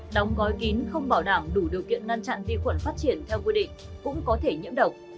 đóng gói kín không bảo đảm đủ điều kiện ngăn chặn vi khuẩn phát triển theo quy định cũng có thể nhiễm độc